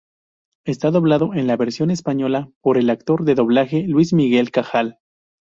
Está doblado en la versión española por el actor de doblaje Luis Miguel Cajal.